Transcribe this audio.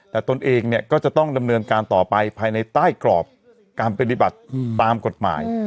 แต่ตนเองเนี่ยก็จะต้องดำเนินการต่อไปภายในใต้กรอบการปฏิบัติตามกฎหมาย